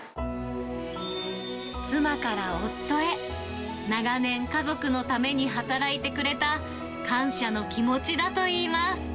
妻から夫へ、長年、家族のために働いてくれた、感謝の気持ちだといいます。